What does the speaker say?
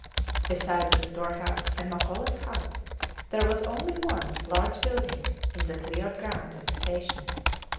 Besides the storehouse and Makolas hut, there was only one large building in the cleared ground of the station.